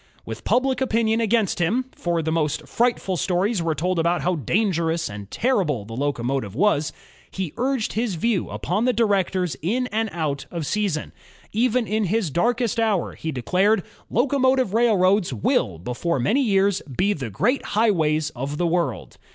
With public opinion against him, — for the most frightful stories were told about how dangerous and terrible the locomotive was, — he urged his view upon the directors in and out • of season. Even in his darkest hour, he declared: '* Locomotive railroads will, before many years, be the great highways of the world."